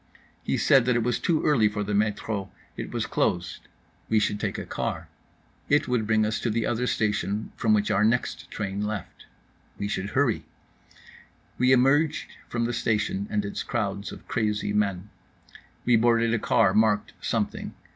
He said that it was too early for the metro, it was closed. We should take a car. It would bring us to the other station from which our next train left. We should hurry. We emerged from the station and its crowds of crazy men. We boarded a car marked something.